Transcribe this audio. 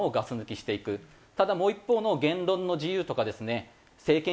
ただもう一方の言論の自由とかですね政権批判。